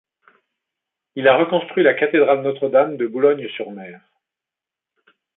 Il a reconstruit la cathédrale Notre-Dame de Boulogne-sur-Mer.